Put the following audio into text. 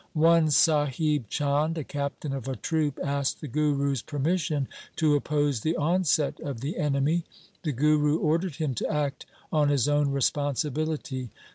One Sahib Chand, a captain of a troop, asked the Guru's permission to oppose the onset of the enemy. The Guru ordered him to act on his own responsibility.